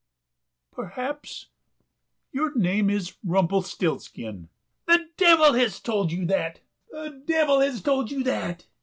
"Perhaps your name is Rumpelstiltskin?" "The devil has told you that! the devil has told you that!"